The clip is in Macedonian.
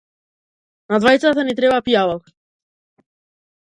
На двајцата ни треба пијалок.